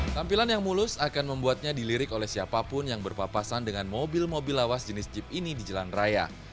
tampilan yang mulus akan membuatnya dilirik oleh siapapun yang berpapasan dengan mobil mobil lawas jenis jeep ini di jalan raya